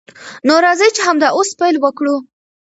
نو راځئ چې همدا اوس پیل وکړو.